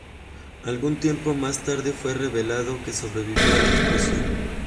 Algún tiempo más tarde fue revelado que sobrevivió a la explosión.